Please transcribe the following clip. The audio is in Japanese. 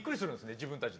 自分たちで。